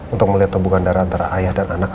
untuk melihat hubungan darah antara ayah dan anak